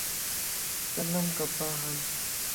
ڪنم ڪپاھڻ